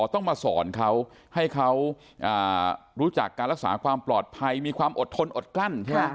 ต้องมาสอนเขาให้เขารู้จักการรักษาความปลอดภัยมีความอดทนอดกลั้นใช่ไหม